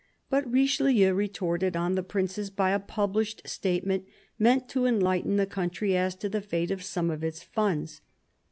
But Richelieu retorted on the princes by a published statement, meant to enlighten the country as to the fate of some of its funds.